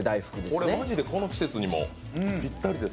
これ、マジでこの季節にぴったりです。